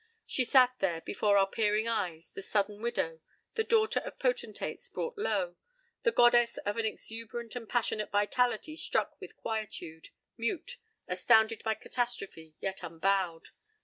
She sat there before our peering eyes, the sudden widow, the daughter of potentates brought low, the goddess of an exuberant and passionate vitality struck with quietude; mute, astounded by catastrophe, yet unbowed.